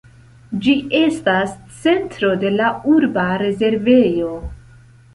Ĝi estas centro de la urba rezervejo.